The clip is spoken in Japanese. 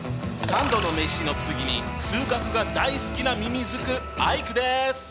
３度のメシの次に数学が大好きなミミズクアイクです。